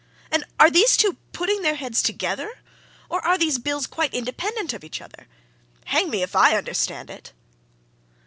And are these two putting their heads together or are these bills quite independent of each other? Hang me if I understand it!"